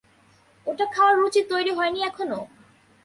ওটা খাওয়ার রুচি তৈরি হয়নি এখনও।